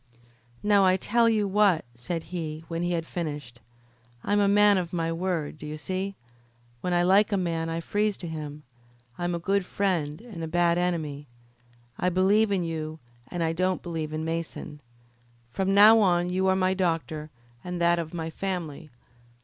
"Now, I'll tell you what," said he, when he had finished. "I'm a man of my word, d'ye see? When I like a man I freeze to him. I'm a good friend and a bad enemy. I believe in you, and I don't believe in Mason. From now on you are my doctor, and that of my family.